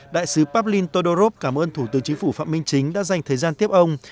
đại sứ pablin todorov cảm ơn thủ tướng chính phủ phạm minh chính đã dành thời gian tiếp ông